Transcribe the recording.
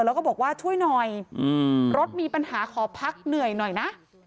แล้วก็บอกว่าช่วยหน่อยรถมีปัญหาขอพักเหนื่อยหน่อยนะ